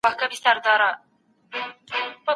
زه اوږده وخت ښوونځي ته ځم وم.